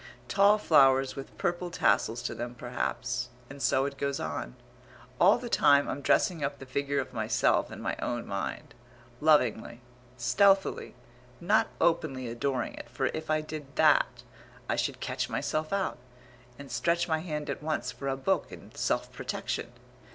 Tall flowers with purple tassels to them perhaps. And so it goes on. All the time I'm dressing up the figure of myself in my own mind, lovingly, stealthily, not openly adoring it, for if I did that, I should catch myself out, and stretch my hand at once for a book in self protection.